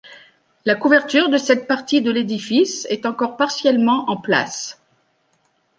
La couverture de cette partie de l'édifice est encore partiellement en place.